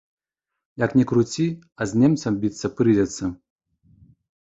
Як ні круці, а з немцам біцца прыйдзецца.